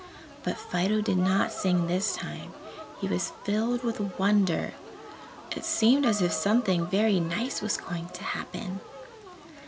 But Fido did not sing this time; he was filled with wonder. It seemed as if something very nice was going to happen.